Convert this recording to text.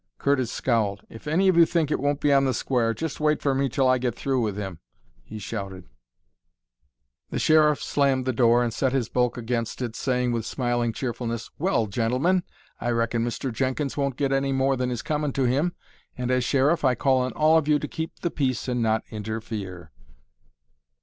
Curtis scowled. "If any of you think it won't be on the square, just wait for me till I get through with him," he shouted. The Sheriff slammed the door, and set his bulk against it, saying with smiling cheerfulness: "Well, gentlemen, I reckon Mr. Jenkins won't get any more than is comin' to him, and as Sheriff I call on all of you to keep the peace and not interfere."